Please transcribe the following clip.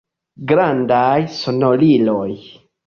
Grandaj sonoriloj.